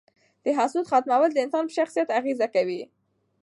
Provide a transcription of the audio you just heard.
د حسد ختمول د انسان په شخصیت اغیزه کوي.